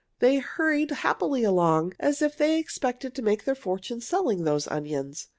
They hurried happily along, as if they expected to make their fortune selling those onions.